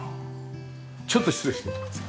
ちょっと失礼して。